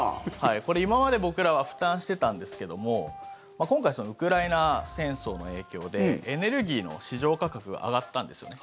これ、今まで僕らは負担してたんですけども今回のウクライナ戦争の影響でエネルギーの市場価格が上がったんですよね。